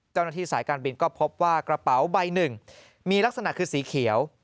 เจ้าหน้าที่สายการบินก็พบว่ากระเป๋าใบหนึ่งมีลักษณะคือสีเขียว